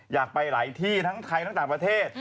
อยากไปหลายที่ทั้งไทยทั้งต่างประเทศ